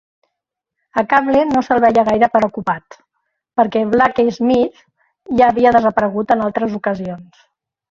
A Cable no se'l veia gaire preocupat, perquè Blaquesmith ja havia desaparegut en altres ocasions.